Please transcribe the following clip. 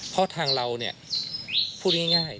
เพราะทางเราพูดง่าย